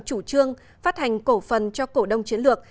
chủ trương phát hành cổ phần cho cổ đông chiến lược